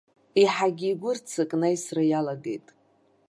Еиҳагьы игәы ырццакны аисра иалагеит.